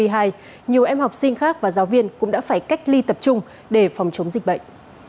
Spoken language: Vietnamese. nhiều em học sinh khác và giáo viên cũng đã phải cách ly tập trung để phòng chống dịch bệnh